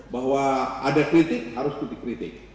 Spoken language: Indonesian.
bahwa ada kritik harus kritik kritik